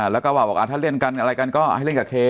แล้วก็บอกถ้าเล่นกันอะไรกันก็ให้เล่นกับเค